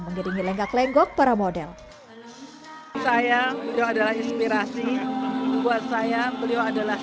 mengiringi lenggak lenggok para model saya yang adalah inspirasi buat saya beliau adalah